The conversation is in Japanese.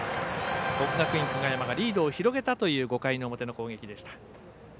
国学院久我山がリードを広げたという５回の表の攻撃でした。